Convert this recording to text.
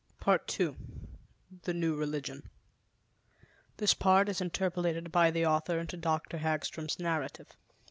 PART II The New Religion (This part is interpolated by the author into Dr. Hagstrom's narrative.)